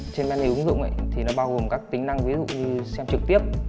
trên menu ứng dụng thì nó bao gồm các tính năng ví dụ như xem trực tiếp